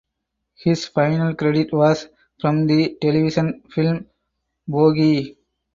His final credit was from the television film "Bogie".